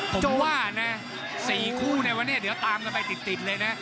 ผมจะว่านะ๔คู่ในวันนี้เดี๋ยวตามกันไปติดเลยนะ